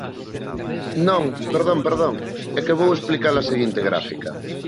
Non, perdón, perdón, é que vou explicar a seguinte gráfica.